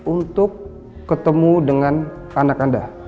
untuk ketemu dengan anak anda